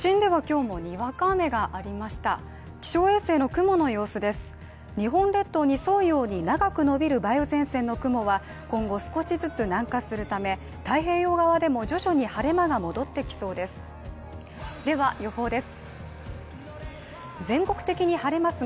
日本列島に沿うように長く伸びる梅雨前線の雲は、今後少しずつ南下するため、太平洋側でも徐々に晴れ間が戻ってきそうです。